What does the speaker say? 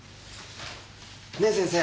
ねえ先生。